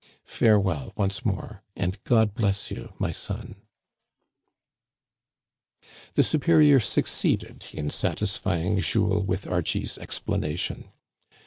Farewell once more, and God bless you, my son !" The superior succeeded in satisfying Jules with Ar chie's explanation.